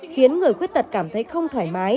khiến người quyết tật cảm thấy không tốt